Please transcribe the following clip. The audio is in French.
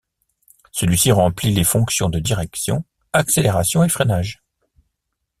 Celui-ci remplit les fonctions de direction, accélération et freinage.